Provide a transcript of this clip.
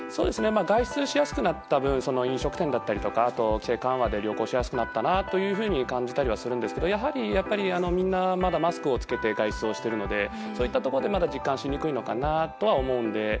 外出しやすくなった分飲食店だったりとか、規制緩和で旅行しやすくなったなとは感じたりはするんですがまだみんなマスクを着けて外出をしているのでそういったところでまだ実感しにくいのかなとは思うので。